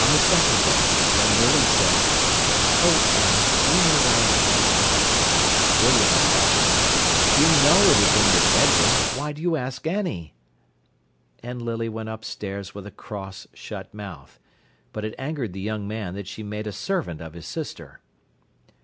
On the second day, when Lily said: "Oh, Annie, do you know where I left my muff?" William replied: "You know it is in your bedroom. Why do you ask Annie?" And Lily went upstairs with a cross, shut mouth. But it angered the young man that she made a servant of his sister.